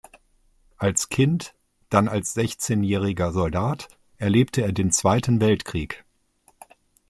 Als Kind, dann als sechzehnjähriger Soldat erlebte er den Zweiten Weltkrieg.